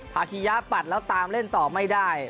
คิยะปัดแล้วตามเล่นต่อไม่ได้